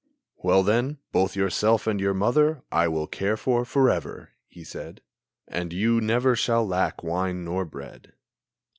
"Well, then, both yourself and your mother I will care for forever," he said, "And you never shall lack wine nor bread."